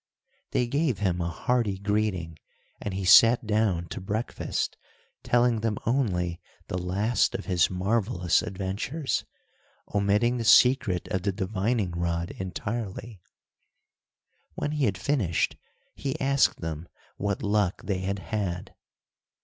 They gave him a hearty greeting, and he sat down to breakfast, telling them only the last of his marvelous adventures, omitting the secret of the divining rod entirely. When he had finished, he asked them what luck they had had.